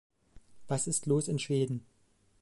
Was ist los in Schweden?